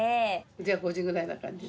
じゃあ５時くらいな感じで。